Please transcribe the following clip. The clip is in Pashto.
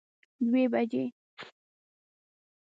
دوه بجی